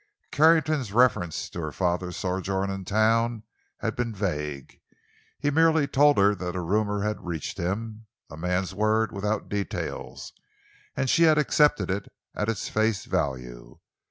Carrington's reference to her father's sojourn in the town had been vague—he merely told her that a rumor had reached him—a man's word, without details—and she had accepted it at its face value.